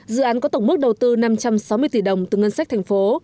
dự án có tổng mức đầu tư năm trăm sáu mươi tỷ đồng từ ngân sách thành phố